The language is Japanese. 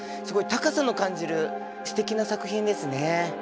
すごい高さの感じるすてきな作品ですね。